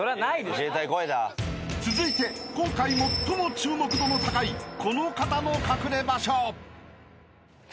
［続いて今回最も注目度の高いこの方の隠れ場所］